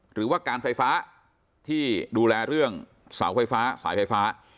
หรือว่าการไฟฟ้าที่ดูแลเรื่องเสาไฟฟ้าสายไฟฟ้า